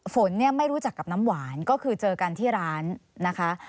ฝนไม่รู้จักกับน้ำหวานก็คือเจอกันที่ร้าน